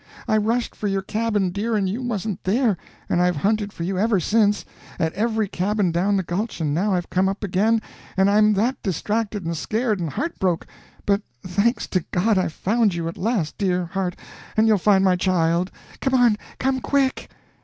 I rushed for your cabin, dear, and you wasn't there, and I've hunted for you ever since, at every cabin down the gulch, and now I've come up again, and I'm that distracted and scared and heart broke; but, thanks to God, I've found you at last, dear heart, and you'll find my child. Come on! come quick!"